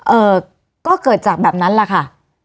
เอ่อก็เกิดจากแบบนั้นแหละค่ะ